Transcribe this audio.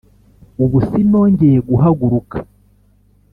ubu sinongeye guhaguruka? "